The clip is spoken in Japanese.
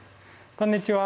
こんにちは。